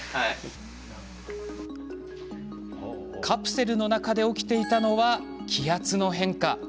カプセルの中で起きていたのは気圧の変化。